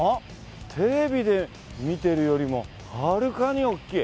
テレビで見てるよりもはるかに大きい。